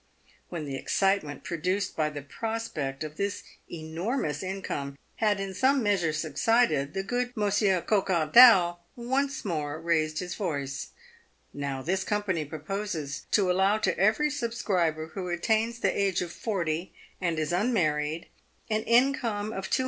"When the excitement produced by the prospect of this enormous income had in some measure subsided, the good Monsieur Coquardau once more raised his voice :" Now, this company proposes to allow to every subscriber who attains the age of forty, and is unmarried, an income of 200